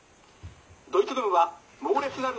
ドイツ軍は猛烈なる」。